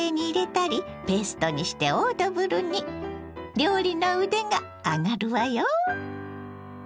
料理の腕が上がるわよ。